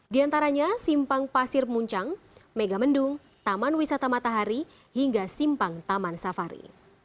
di antaranya simpang pasir muncang megamendung taman wisata matahari hingga simpang taman safari